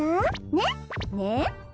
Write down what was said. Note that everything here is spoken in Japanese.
ねっねえ？